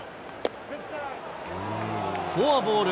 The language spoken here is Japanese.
フォアボール。